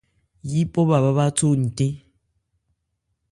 Yípɔ bhâ bhá bháthó ncɛn.